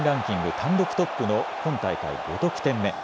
単独トップの今大会５得点目。